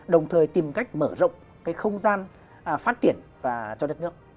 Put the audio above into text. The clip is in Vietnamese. đồng thời tìm cách mở rộng cái không gian phát triển cho đất nước